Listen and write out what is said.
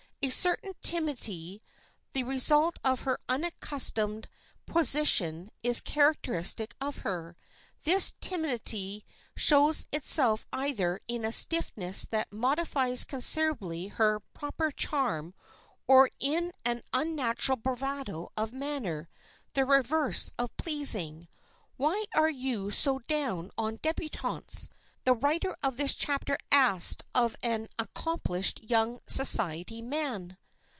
A certain timidity, the result of her unaccustomed position, is characteristic of her. This timidity shows itself either in a stiffness that modifies considerably her proper charm, or in an unnatural bravado of manner, the reverse of pleasing. "Why are you so down on débutantes?"—the writer of this chapter asked of an accomplished young society man.